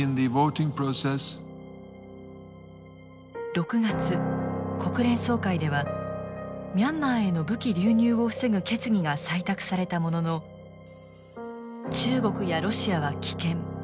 ６月国連総会ではミャンマーへの武器流入を防ぐ決議が採択されたものの中国やロシアは棄権。